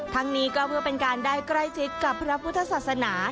ทั้งนี้ก็เพื่อเป็นการได้ใกล้ชิดกับพระพุทธศาสนา